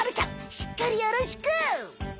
しっかりよろしく！